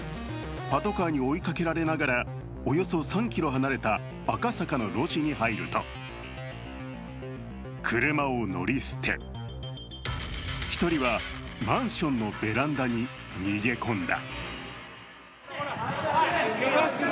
パトカーに追いかけられながらおよそ３ｋｍ離れた赤坂の路地に入ると、車を乗り捨て１人はマンションのベランダに逃げ込んだ。